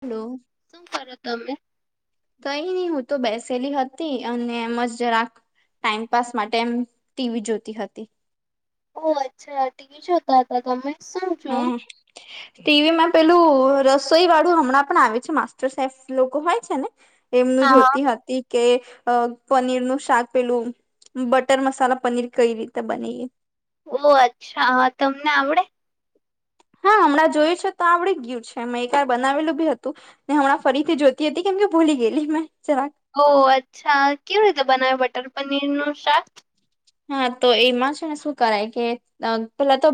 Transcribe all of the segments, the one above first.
Hello શું કરો તમે કઈ ની હું તો બેસેલી હતી અને એમ જ જરાક ટાઈમપાસ માટે એમ ટીવી જોતી હતી ઓ અચ્છા ટીવી જોતા હતા તમે સમજો. [inaudible] ટીવી માં પેલું રસોઈ વાળું હમણાં પણ આવે છે માસ્ટર શેફ લોકો હોય છે ને, એમનું હા. જોતી હતી. કે પનીર નું શાક પેલું બટર મસાલા પનીર કઈ રીતે બનેએ. ઓહ અચ્છા હા તમને આવડે, હા હમણાં જોયું છે તો આવડી ગયું છે મેમે ક બનાવેલું બી હતું ને હમણાં ફરીથી જોતી હતી કેમ કે ભૂલી ગયેલી મેં જરાક ઓ અચ્છા કેવી રીતે બનાવે બટર પનીરનું શાક, હા તો એમાં છે ને શું કરાય કે પેલા તો,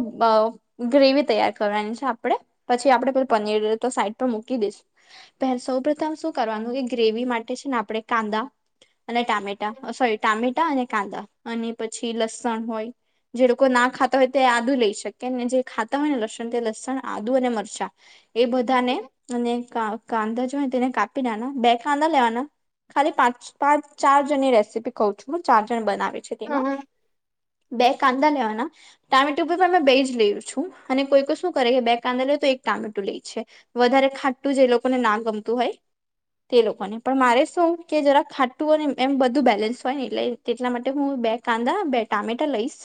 ગ્રેવી તૈયાર કરવાની છે આપડે પછી આપડે પે પનીર તો સાઈડ પર મૂકી દઈશ. પહે સૌ પ્રથમ શું કરવાનું એ ગ્રેવી માટે છે ને આપણે કાંદા અને ટામેટા સોરી ટામેટા અને કાંદા અને પછી લસણ હોય. જે લોકો ના ખાતા હોય તે આદુ લઈ શકે ને જે ખાતા હોય ને લસણ તે લસણ આદુ અને મરચા, એ બધાને અને કાંદા જો તેને કાપી નાના બે કાંદા લેવાના. ખાલી પાંચ પાંચ ચાર જણની રેસીપી કઉ છું હું ચાર જણ બનાવે છે તેમાં, ઓ બે કાંદા લેવાના ટામેટો ઉપર પણ અમે બે જ લઈ છું અને કોઈ કો શું કરે કે બે કાંદા લે તો એક ટામેટું લઈ છે. વધારે ખાટું જે લોકોને ના ગમતું હોય તે લોકોને પણ મારે શું કે જરાક ખાટું હોય ને એમ બધું બેલેન્સ હોય ને એટલે એટલા માટે હું બે કાંદા બે ટમેટા લઈસ.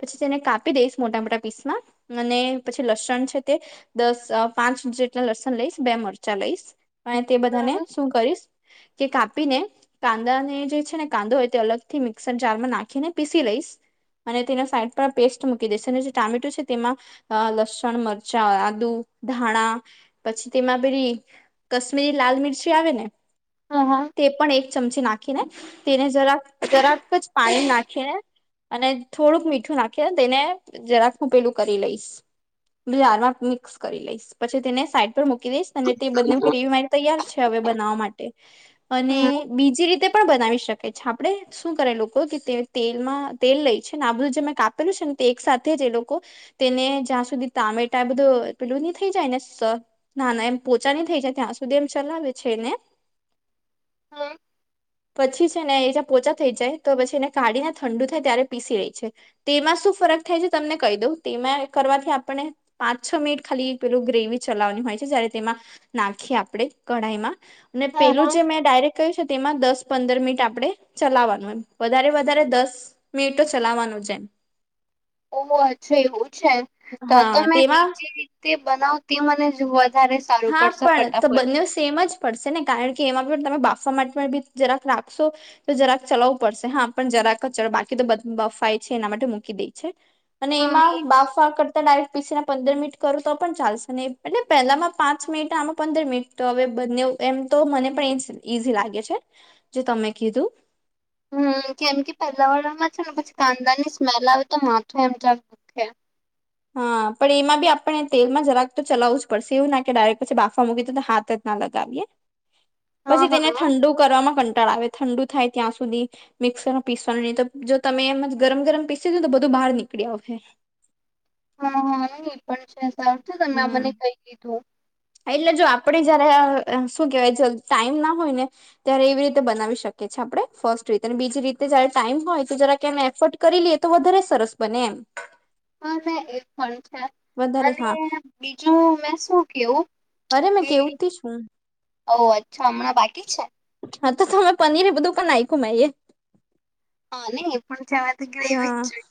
પછી તેને કાપી દઈશ મોટા મોટા પીસમાં અને પછી લસણ છે તે દસ પાંચ જેટલા લસણ લઈશ, બે મરચાં લઈશ, અને તે બધાને, શું કરીશ, કે કાપીને કાંદા ને જે છે ને કાંદો હોય તે અલગ થી મિક્સર જારમાં ના નાખીને પીસી લઈશ, અને તેના સાઈડ પર પેસ્ટ મૂકી દઈશ અને જે ટામેટુ છે તેમાં, અ લસણ મરચાં આદુ ધાણા પછી તેમાં પેલી કાશ્મીરી લાલ મિરચી આવે ને તે પણ એક ચમચી નાખીને તેને જરા જરાક જ પાણી ના અને થોડુંક મીઠું નાખીને, તેને જરાક હું પેલું કરી લઈશ. જારમાં મિક્સ કરી લઈશ પછી તેને સાઈડ પર મૂકી દઈશ. અને તે બન્નેવ ગ્રેવી મારી તૈયાર છે, હવે બનાવવા માટે. અને બીજી રીતે, પણ બનાવી શકે છે આપણે. શું કરે લોકો કે તે તેલમાં તેલ લઈ છે ને આ બધું જે મેં કાપેલું છે ને તે એક સાથે જ એ લોકો તેને જ્યાં સુધી ટામેટા બધું પેલું ની થઈ જાય ને સર ના ના એમ પોચા નની થઈ જાય ત્યાં સુધી એમ ચલાવે છે ને, પછી છે ને, એ જ પોચા થઇ જાય તો પછી એને કાઢીને ઠંડુ થાય ત્યારે પીસી લેય છે. તેમાં શું ફરક થાય છે તમને કહી દઉં. તેમાં કરવાથી આપણે પાંચ છ મિનિટ ખાલી એક પેલું ગ્રેવી ચલાવવાની હોય, છે જય્યારે તેમાં નાખીએ આપણેે કઢાઈમાં મેં પેલું જે મેં ડાયરેક્ટ કહ્યું છે તેમાં દસ પંદર મિનિટ આપડે ચલાવાનું એમ. વ વધારે વધારે દસ મિનિટ તો ચલાવાનું જ એમ. ઓ અચ્છા એવું છે, તો હા તો મેં તેમાં બીજી રીતે બનાવતી મને જોવા ધારે સારુ પડશે ફટાફટ તેમજ પડશે ને, કારણ કે એમાં પણ તમે બાફવા માટે પણ બી જરાક રાખશો તે તો જરાક ચલાવું પડશે, હા પણ જરાક જ. બાકી તો બફાય છે એના માટે મૂકી દે છે. અને હમ્મ એમાં બાફવા કરતા ડાઈરેક પીસીને પંદર મિનિટ કરુ તો પણ ચાલશે, ને એ એટલે પહેલામાં પાંચ મિનિટ ને આમાં પંદર મિનિટ તો હવે બંનેવ તો એમ તો મને પણ એ ઈઝી લાગે છે. જો તમે કીધું હમ કેમ કે પેલ્લાવાળામાં છે ને પછી કાંદા ની સ્મેલ આવે તો માથું એમ ચડતું હા પણ એમાં બી આપણે તેલમાં જરાક તો ચલાવું જ પડશે. એવું ના કે ડાયરેક્ટ પછી બાફા મૂકી તો હાથ ના લગાવીએ. હા પછી તેને હા ઠંડુ કરવામાં કંટાળ આવે ઠંડુ થાય ત્યાં સુધી મિક્સરમાં પીસવાનું. નહી તો જો તમે એમજ ગરમ ગરમ પીસી દીધુ ને તો બધું બહાર નીકળી આવહે. હા હા એ ની પણ છે સારું છે તમે આ હમ. મને કઈ કીધું. એટલે જો આપડે જયારે અ શું કેહેવાય જો ટાઈમ ના હોય ને ત્યારે એવી રીતે બનાવી શકીએ છે આપણે ફર્સ્ટ રીતે. અને બીજી રીતે જયારે ટાઈમ હોય તો જરાક એમ એફર્ટ કરી લઈએ તો વધારે સરસ બને એમ. હા ને એ પણ છે. વધારે અને હા બીજું મેં શું કેવું અરે મેં કે કેવું જ છું ઓ અચ્છા હમણાં બાકી છે. હા તો તમે પનીર એ બધું પણ નાખ્યું મે એ હા નહી, એ પણ જાજી તો ગ્રેવી હા. જ જોય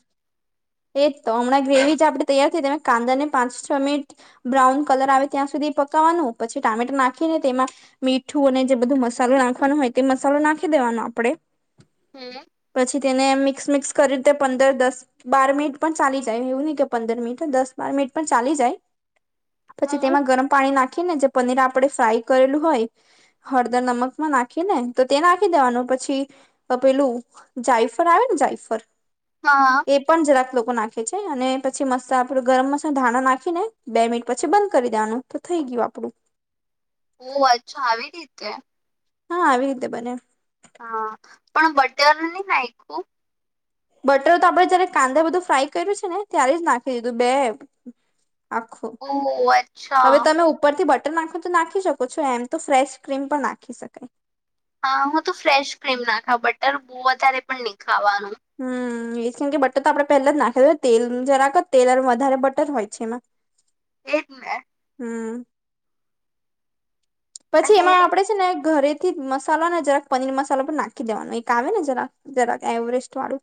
એજ તો. હમણાં ગ્રેવી જે આપણે તૈયાર થઈ, તેમાં કાંદા ને પાંચ છ મિનિટ બ્રાઉન કલર આવે ત્યાં સુધી પકાવાનું, પછી ટામેટા નાખીને તેમાં મીઠું અને જે બધું મસાલો નાખવાનું હોય તે મસાલો નાખી દેવાનો આપડે. હમ્મ પછી તેને મિક્સ મિક્સ કરી તે પંદર દસ બાર મિનિટ પણ ચાલી જાય એવું નહી કે પંદર મિનિટ દસ બાર મનિટ પણ ચાલી જાય. પછી હા તેમાં ગરમ પાણી નાખીને જે પનીર આપણે ફ્રાય કરેલું હોય, હળદર નમકમાં નાખી નેતે નાખી દેવાનું પછી, તો પેલું જાયફર આવેને જાયફર, હા, એ પણ જરાક લોકો નાખે છે, અને પછી મસ્ત આપડું ગરમ મસ ધાણા નાખીને બે મિનિટ પછી બંધ કરી દેવાનું. તો થઈ ગયું આપણું, ઓ અચ્છા આવી રીતે, હા આવી રીતે બંને, હા પણ બટરની નાખું, બટર તો આપડે જયારે કાંદા બધું ફ્રાય કર્યું છે, ને ત્યારે જ નાખી દીધું બેઠા હતા. આખો ઓહ હવે અચ્છા તમે ઉપરથી બહુ, નાખો તો નાખી શકો છો, એમ તો ફ્રેશ ક્રીમ પણ નાખી શકાય. હા હું તો ફ્રેશ ક્રીમ નાખા બટર બહુ વધારે પણ નહી ખાવાનું, હું એજ કે બટર આપડે પેહેલા જ નાખી તેલ જરાક તેલ અને વધારે બટર હોય છે, એમાં [unintelligible] [inaudible] એજને, હું, પછી અને એમાં આપડે છે, ને ઘરે થી મસાલા ને જરાક પનીર મસાલો પણ નાખી દેવાનું એક આવેને જરાક- જરાક એવરેસ્ટ વાળું.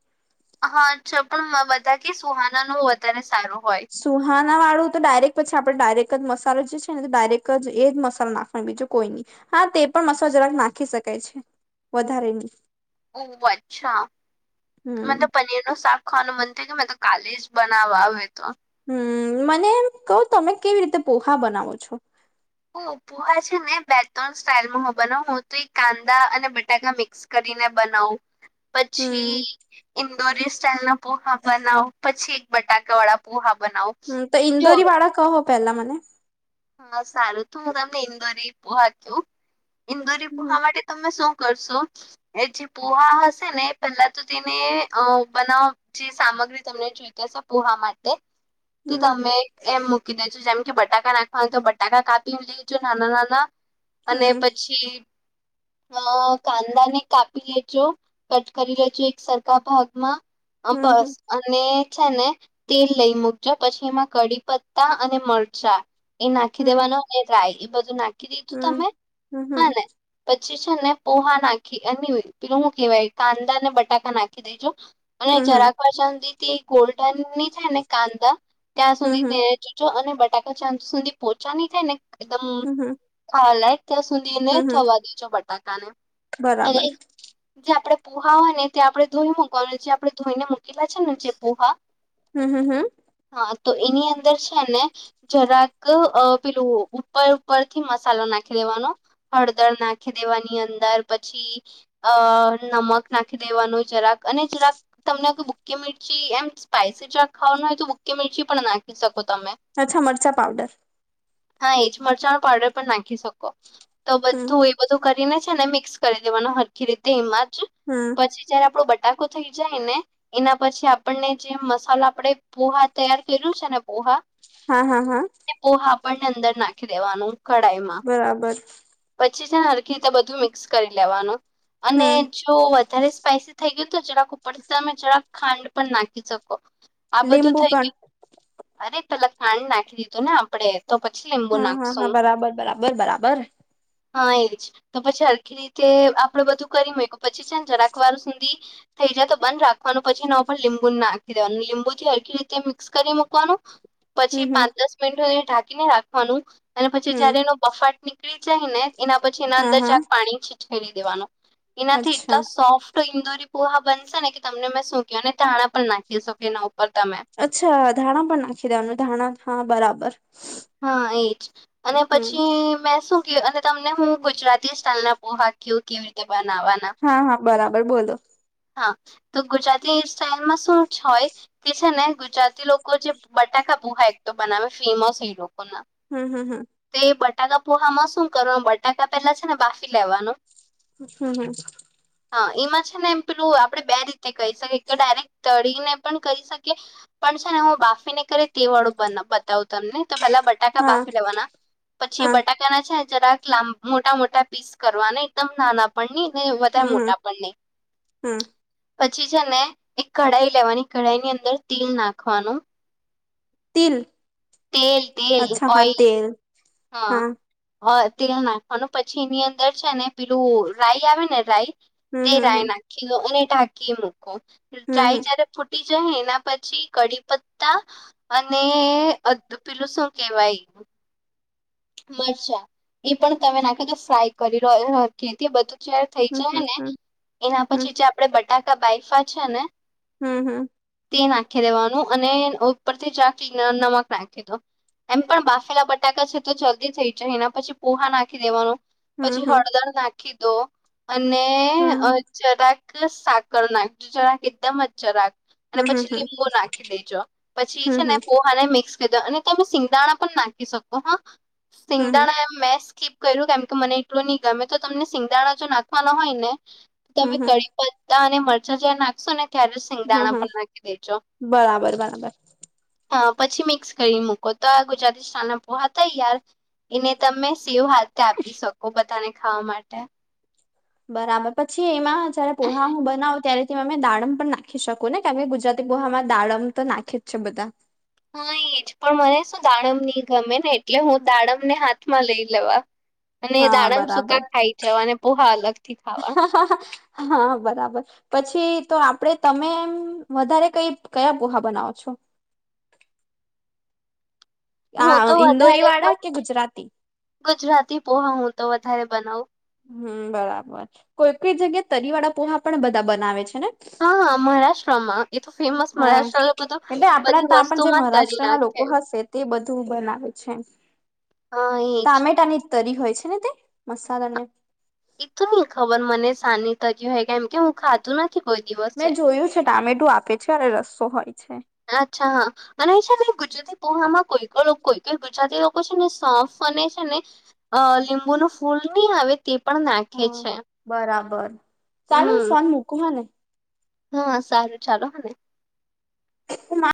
હા અચ્છા પણ બધા કે સુહાનાન વધારે સારું હોય. સુહાનાવાળું તો ડાયરેક્ટ પછી આપણે ડાયરેક્ટ જ મસાલો જે છે, નેતો ડાયરેક જ એજ મસાલો નાખવાનો બીજું કોઈ નહીં. હાતે પણ મસાલા જરાક નાખી શકાય છે, વધારેની ઓ અચ્છા હમ મતલબ પનીરનું શાક, ખાવાનું મન થાય કે મેતો કાલે જ બનાવવા આવે તો, હું મને એમ કવ તમે કેવી રીતે પોહા બનાવો છો, હા પોહા છે, ને બે -ત્રણ સ્ટાઇલ બનાવ હતો એ કાંદા અને બટાકા મિક્સ. કરીને બનાવ પછી, હમ ઇન્દોરી સ્ટાઇલના પોહા બનાવ એક બટાકા વાળા બનાવો, હું તો ઇન્દોરી વાળા કે પહેલા મને, હા સારું તું હું તમને ઇન્દોરી પોહા કું ઇન્દોરી હમ પોહા માટે, તમે શું કરશો એજે પોહા હશે ને પહેલા તો તેને અ બનાવી. જે સામગ્રી તમને જોઈલો છે, પોહા માટે તે હમ તમે એમ મૂકી દેજો જેમ કે બટાકા નાખી. હાતો બટાકા કાપી લેજો નાના- નાના અને હમ પછી. અ કાંદા ને કાપી લેજો કટ કરી લેજો એક સરખા ભાગમાં, એમ બસ, હમ અને ને તેલ લઈ મૂકજો પછી એમાં કડીઅને મરચાં, એ નાખી હમ દેવાનો રાય એ બધું નાખી દીધું હમ તમે હમ હમ હાને, પછી છે ને પોહા નાખી અને પે હું કેહેવાય કાંદા અને બટાકા નાખી દેજુ, અને હમ હમ જરાક પાછા સુધી ગોલ્ડનની છેડાય ને કાંદા ત્યાં સુધી તે, હમ જો અને બટાકા ચાંચ સુધી પોહચાની થાય ને, એકદમ હમ ખાવા લાયક ત્યાં સુધીને હમ હમ થવા દેજો બટાકા ને, હા, [unintelligible] [inaudible] જે આપણે પોહા હોય ને તે આપણે ધોઈ મુકવાનું જે આપણે ધોઈને મૂકેલા છે ને જે પોહા હમ, હમ, હમ. હા, તો એની અંદર છે ને થોડુક પેલું ઉપર ઉપર થી મસાલો નાખી લેવાનો હળદર નાખી નાખી દેવાની અંદર પછી નમક નાખી દેવાનું થોડુંક અને થોડુંક તમને ભૂકી મિરચી એમ સ્પાઈસી ચાત ખાવાનું હોય, તો બૂકી મિરચી પણ નાખી શકો તમે. અચ્છા, મરચા પાવડર. હા એજ મરચા નો પાવડર પણ નાખી શકો. તો હમ બધું બધું કરીને છે અને મિક્સ કરી દેવાનું સરખી રીતે એમાં જ હમ પછી જયારે આપણો બટાકો થઈ જાય ને એના પછી આપણને જે મસાલા આપણે પોહા તૈયાર કર્યું છે ને, પોહા હા, હા, હા. તે પોહા આપણે અંદર નાખી દેવાનું, કઢાઈમાં. બરાબર. પછી છે ને સરખી રીતે બધું મિક્સ કરી લેવાનું અને હમ જો વધારે સ્પાઈસી થઈ ગયું તો થોડુંક ઉપરથી તમે થોડુંક ખાંડ પણ નાખી શકો. આ બધું લીંબુ થઈ પણ ગયું અરે પહેલા ખાંડ નાખી દીધું ને આપણે તો પછી લીંબુ હા, હા, હા. નાખશું બરાબર, બરાબર, બરાબર. હા એજ તો પછી સરખી રીતે આપણે બધું કરી હોય પછી છે, ને થોડિકવાર સુધી થઈ જાય બંધ રાખવાનું પછી એના લીંબુ નાખી દેવાનું લીંબુથી સરખી રીતે મિક્સ કરી મૂકવાનું. [inaudible] પછી પાંચ દસ મિનિટ એ ઢાંકીને રાખવાનું અને પછી હમ જયારે એનો બફાટ નીકળી જાય ને એના પછી એના હા અંદર હા થોડુંક પાણી છાંટી દેવાનું એનાથી અચ્છા એટલા સોફ્ટ તો ઇન્દોરી પોહા બનશે ને કે તમને મેં શું કહું, અને ધાણા પણ નાખી શકે એના ઉપર તમે. અચ્છા, ધાણા પણ નાખી દેવાનું ધાણા હા બરાબર. હા એજ અને હમ પછી મે શું અને તમને હું ગુજરાતી સ્ટાઇલ ના પોહા કહું કેવી રીતે બનાવવાના હા, હા. બરાબર બોલો. હા, તો ગુજરાતી સ્ટાઈલમાં શું જ હોય તે છે ને ગુજરાતી લોકો જે બટાકા પૌહા એક તો બનાવે ફીમસ છે એ લોકો ના હમ્મ, હમ્મ, હમ્મ. તે બટાકા પોહામાં શું કરવા બટાકા પહેલા છે ને બાફી લેવાનું હમ્મ, હમ્મ. હા, એમાં છે ને. પેલું આપણે બે રીતે કરીઙશકીએ કે ડાયરેક્ટ તળીને પણ કહી શકીએ. પણ છે ને હું બાફી ને કરે તે વાળું બતાવુ તમને તો પહેલા બટાકા હા બાફી લેવાના પછી હા બટા તેના છે ને થોડાક મોટા મોટા પીસ કરવા ને એકદમ નાના પણ ની ને વધારે મોટા પણ નહી. હમ્મ. પછી છે ને એક કઢાઈ લેવાની કઢાઈ ની અંદર તેલ નાખવાનું. તેલ, તેલ તેલ અચ્છા હા ઓઈલ તેલ. હા, હા. તેલ નાખવાનું પછી એની અંદર છે ને પેલું રાઈ આવે ને રાઈ તે હમ હમ રાય હમ નાખી લો અને ઢાકી મૂકો રાય હમ જ્યારે ફૂટી જાય એના પછી કઢી પત્તા અને અધ પેલું શું કેવાય? મરચા, એ પણ તમે નાખી દો ફ્રાય કરી [unintelligible] બધું. જ્યારે થઈ હમ જાય હમ ને, હમ એના હમ પછી જે આપડે બટાકા બાાયફા છે ને હમ્મ હમ્મ. તે નાખી દેવાનું અને ઉપરથી ચાખી ન નમક નાખી દો. એમ પણ બાફેલા બટાકા છે તો જલ્દી થઇ જાય એના પછી પોહા નાખી દેવાનો. હમ પછી હમ હળદર નાખી દો અને અ હમ જરાક સાકર નાખી જરાક એકદમ જ જરાક અને હમ હમ હમ હમ પછી હમ લીંબુ નાખી દેજો પછી છે ને પોહાને મિક્સ [unintelligible] અને તમે સિંગદાણા પણ નાખી શકો હા. હમ હમ સિંગદાણા એ મેસ સ્કીપ કયરુ કેમ કે મને એટલું ની ગમે તો તમને સિંગદાણા જો નાખવાનો હોય ને તમે હમ હમ કરી પત્તા અને મરચાં જ્યારે નાખશો ને ત્યારે જ હમ સિંગદાણા હમ પણ નાખી દેજો. બરાબર બરાબર અ પછી મિક્સ કરી મૂકો, તો આ ગુજરાતી સ્ટાઈલના પોહા તૈયાર. એને તમે સેવ હાથે આપી શકો બધાને ખાવા માટે. બરાબર પછી એમાં જ્યારે પોહા હું બનાવું ત્યારે તેમાં અમે દાડમ પણ નાખી શકું ને કારણ કે ગુજરાતી પોહામાં દાડમ તો નાખે જ છે બધા. હા એજ પણ મને શું દાડમ ની ગમે ને એટલે હું દાડમને હાથમાં લઈ લેવા. અને હા દાડમ બરાબર સુકા ખાઈ જવા અને પોહા અલગ થી ખાવા. હા હા. હં બરાબર. પછી તો આપડે તમે, એમ વધારે કઈ કયા પોહા બનાવો છો? હું આ તો ઇન્દોરી વધારે વાળા પણ કે ગુજરાતી? ગુજરાતી પોહા હું તો વધારે બનાવું. હમ્મ બરાબર કોઈ કોઈ જગ્યા તરી વાળા પોહા પણ બધા બનાવે છે ને? હા હા મહારાષ્ટ્રમાં એ તો ફેમસ હા મહારાષ્ટ્ર લોકો તો એટલે બધી આપણા તાં પણ જે વસ્તુમાં તરી મહારાષ્ટ્રના નાખે લોકો હશે તે બધું બનાવે છે. હા એ જ. ટામેટાની તરી હોય છે ને, તે મસાલાને. એ તો નઈ ખબર મને, સાની તરી કેમ કે હું ખાધું નથી કોઈ દિવસે. મેં જોયું ટામેટું આપે છે અને રસ્સો હોય છે. અચ્છા હ. અને એ છે ને, ગુજરાતી પોહામાં કોઈ, કોઈ, કોઈ ગુજરાતી લોકો છે ને, સોંફ અને છે ને. અ લીંબુનું ફૂલ નીં આવે, તે પણ નાખે હા છે. બરાબર. ચાલો હું હમ ફોન મૂકુ હં ને. હા, સારું. ચાલો, હને. મા